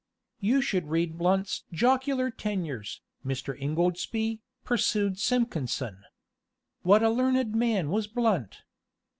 "You should read Blount's Jocular Tenures, Mr. Ingoldsby," pursued Simpkinson. "A learned man was Blount!